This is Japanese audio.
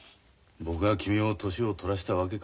僕が君の年を取らせたわけか。